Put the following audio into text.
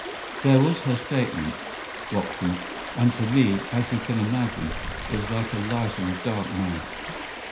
"There was her statement, Watson, and to me, as you can imagine, it was like a light on a dark night.